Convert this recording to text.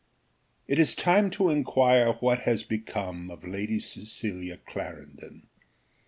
It is time to inquire what has become of Lady Cecilia Clarendon.